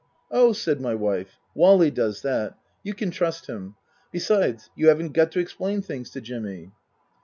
" Oh," said my wife, " Wally does that. You can trust him. Besides you haven't got to explain things to Jimmy."